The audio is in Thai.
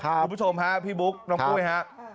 คุณผู้ชมครับพี่บุ๊คน้องกุ้ยครับ